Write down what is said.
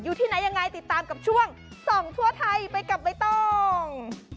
อยู่ที่ไหนยังไงติดตามกับช่วงส่องทั่วไทยไปกับใบตอง